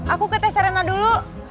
aku ke tes arena dulu